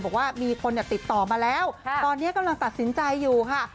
บอกว่ามีคนติดต่อมาแล้วตอนนี้กำลังตัดสินใจอยู่ค่ะ